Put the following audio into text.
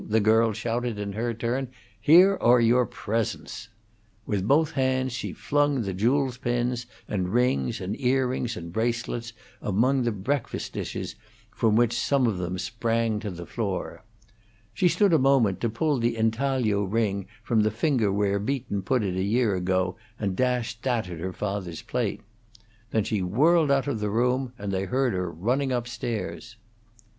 the girl shouted in her turn. "Here are your presents." With both hands she flung the jewels pins and rings and earrings and bracelets among the breakfast dishes, from which some of them sprang to the floor. She stood a moment to pull the intaglio ring from the finger where Beaton put it a year ago, and dashed that at her father's plate. Then she whirled out of the room, and they heard her running up stairs.